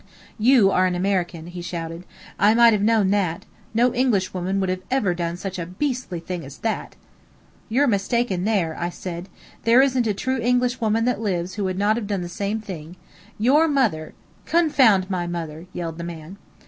"You are an American," he shouted. "I might have known that. No English woman would ever have done such a beastly thing as that." "You're mistaken there," I said; "there isn't a true English woman that lives who would not have done the same thing. Your mother " "Confound my mother!" yelled the man.